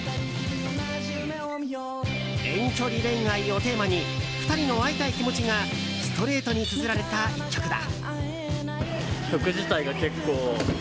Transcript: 遠距離恋愛をテーマに２人の会いたい気持ちがストレートにつづられた１曲だ。